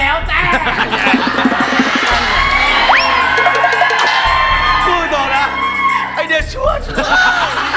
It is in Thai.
มายังตอบนะ